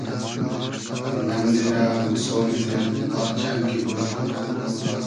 نئم دیرۂ موسۉنی دیل آر چئن کی بود